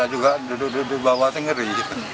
kita juga duduk di bawah ini ngeri